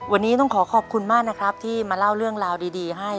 วันนี้ต้องขอขอบคุณมากนะครับที่มาเล่าเรื่องราวดีให้